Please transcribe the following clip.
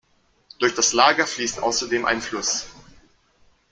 Durch das Lager fließt außerdem ein Fluss.